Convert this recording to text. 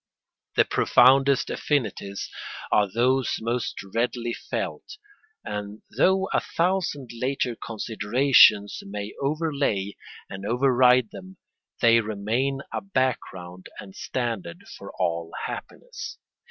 The profoundest affinities are those most readily felt, and though a thousand later considerations may overlay and override them, they remain a background and standard for all happiness.